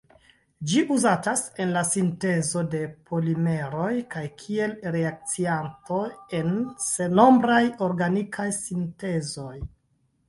Ĝi uzatas en la sintezo de polimeroj kaj kiel reakcianto en sennombraj organikaj sintezoj.